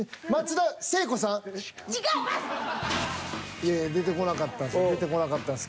いやいや出てこなかったんです